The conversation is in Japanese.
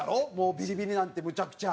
ビリビリなんてむちゃくちゃ。